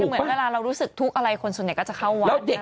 เหมือนเวลาเรารู้สึกทุกข์อะไรคนส่วนใหญ่ก็จะเข้าวัด